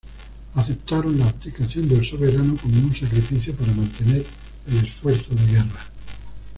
Aceptaron la abdicación del soberano como un sacrificio para mantener el esfuerzo de guerra.